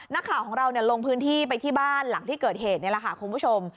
นักข่าวของเราลงพื้นที่ไปที่บ้านหลังที่เกิดเหตุนี่แหละค่ะคุณผู้ชม